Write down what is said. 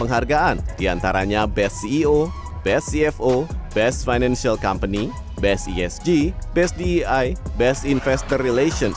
atas delapan kategori tersebut ada yang paling menarik yaitu best banking best financial company dan best investor relations